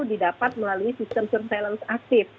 didapat melalui sistem surveillance aktif